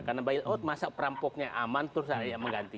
karena bailout masa perampoknya aman terus saya mengganti